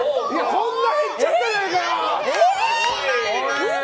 こんなに減っちゃったじゃないか！